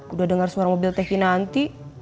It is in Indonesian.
udah dengar suara mobil teh kinanti